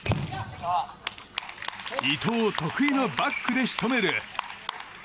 伊藤、得意のバックで仕留める！